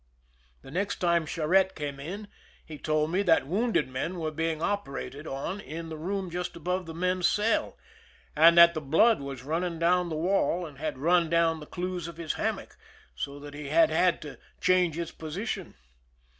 The next tirae Charette came in, he told me that wounded men were being operated on in the room just above the men's cell, and that the blood was running down the wall, and had run down the clues of his hammock, so that he had had to change its position.